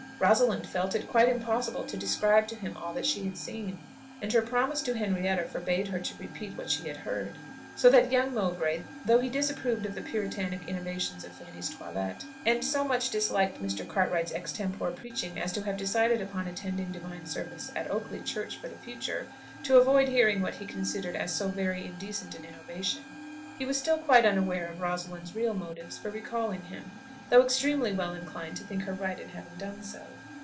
Rosalind felt it quite impossible to describe to him all she had seen, and her promise to Henrietta forbade her to repeat what she had heard; so that young Mowbray, though he disapproved of the puritanic innovations of Fanny's toilet, and so much disliked Mr. Cartwright's extempore preaching as to have decided upon attending divine service at Oakley church for the future, to avoid hearing what he considered as so very indecent an innovation, he was still quite unaware of Rosalind's real motives for recalling him, though extremely well inclined to think her right in having done so.